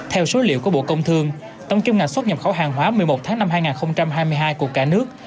theo số liệu của bộ công thương tổng kim ngạch xuất nhập khẩu hàng hóa một mươi một tháng năm hai nghìn hai mươi hai của cả nước